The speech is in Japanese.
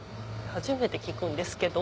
初めて聞くんですけど。